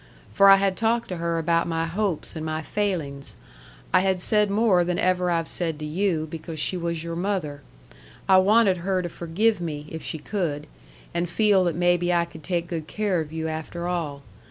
For I had talked to her about my hopes and my failings. I had said more than ever I've said to you, because she was your mother. I wanted her to forgive me, if she could, and feel that maybe I could take good care of you after all.